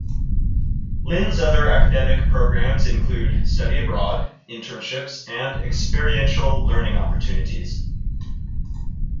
Lynn's other academic programs include study abroad, internships and experiential learning opportunities.